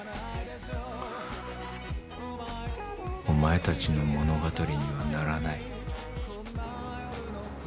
お前達の物語にはならない